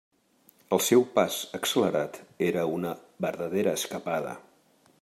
El seu pas accelerat era una verdadera escapada.